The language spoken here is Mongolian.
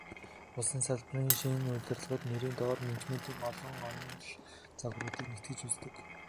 Улсын салбарын шинэ удирдлага нэрийн доор менежментийн олон онол, загваруудыг нэгтгэж үздэг.